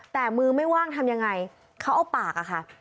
แต่มือไม่ว่างทำยังไงเขาเอาปากอะค่ะ